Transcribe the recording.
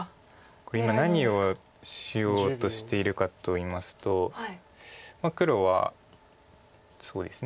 これ今何をしようとしているかといいますと黒はそうですね。